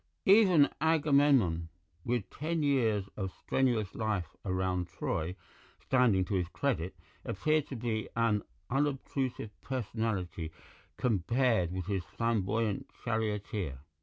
Even Agamemnon, with ten years of strenuous life around Troy standing to his credit, appeared to be an unobtrusive personality compared with his flamboyant charioteer.